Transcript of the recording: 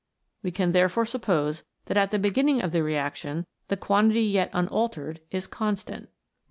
We can therefore suppose that at the beginning of the reaction the quantity yet unaltered is constant.